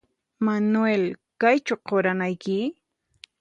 Manuel ¿Kaychu quranayki?